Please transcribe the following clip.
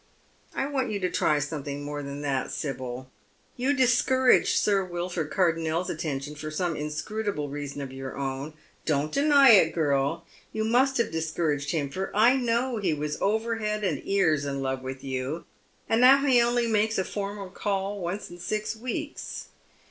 " I want you to try something more than that, Sibyl. You discouraged Sir Wilford Cardonnel's attentions for some inscru table reason of your own — don't deny it, girl, you must have dis couraged him, for I know he was over head and ears in love with you, and now he only makes a formal call once in six weeks.